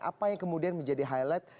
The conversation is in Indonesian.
apa yang kemudian menjadi highlight